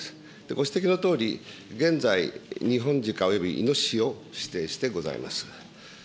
ご指摘のとおり、現在、ニホンジカ、およびいのししを指定してございます。